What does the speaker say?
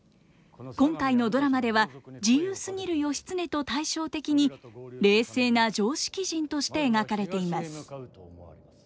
今回のドラマでは自由すぎる義経と対照的に冷静な常識人として描かれています。